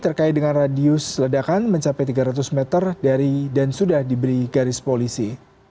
terkait dengan radius ledakan mencapai tiga ratus meter dari dan sudah diberi garis polisi